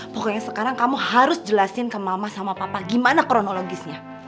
pokoknya sekarang kamu harus jelasin ke mama sama papa gimana kronologisnya